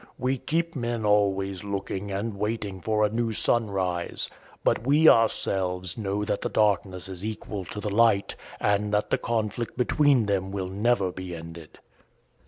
We keep men always looking and waiting for a new sunrise. But we ourselves know that the darkness is equal to the light, and that the conflict between them will never be ended."